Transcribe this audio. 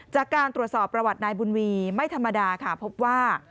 จากการตรวจสอบประวัตินายบุญวีไม่ธรรมดาค่ะพบว่า